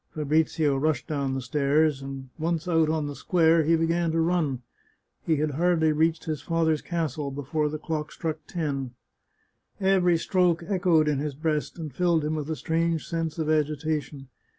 Fabrizio rushed down the stairs, and once out on the square, he began to run. 176 The Chartreuse of Parma He had hardly reached his father's castle before the dock struck ten. Every stroke echoed in his breast, and filled him with a strange sense of agitation.